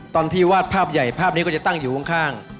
ตอนที่วาดภาพใหญ่ภาพนี้ก็จะตั้งอยู่ข้าง